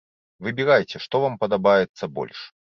Выбірайце, што вам падабаецца больш.